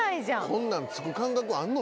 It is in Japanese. こんなん着く感覚あんの？